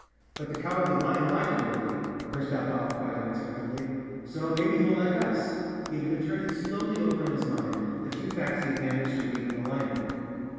"But the Cowardly Lion liked Dorothy," burst out Bob quite unexpectedly, "so maybe he will like us." He had been turning slowly over in his mind the few facts he had managed to read in the lion book.